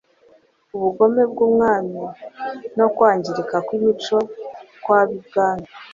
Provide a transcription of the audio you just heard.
ubugome bw’umwami no kwangirika kw’imico kw’ab’ibwami.